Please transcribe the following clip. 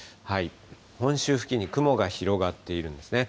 本州付近に雲が広がっているんですね。